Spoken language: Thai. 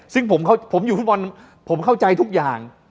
ซึ่งผมอยู่ฟุตบอลผมเข้าใจทุกอย่าง